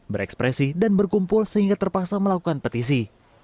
berekspresi dan berkumpul sehingga terpaksa melakukan petisi